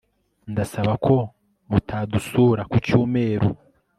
ndasaba ko mutadusura kucyumeru